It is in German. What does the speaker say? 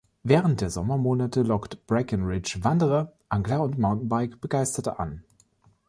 Während der Sommermonate lockt Breckenridge Wanderer, Angler und Mountainbike-Begeisterte an.